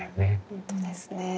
本当ですねえ。